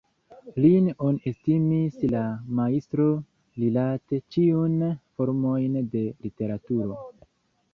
Lin oni estimis la majstro rilate ĉiun formojn de literaturo.